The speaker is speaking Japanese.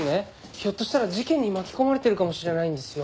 ひょっとしたら事件に巻き込まれてるかもしれないんですよ。